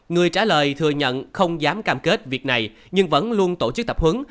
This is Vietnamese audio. người trả lời thừa nhận không dám cam kết việc này nhưng vẫn luôn tổ chức tập huấn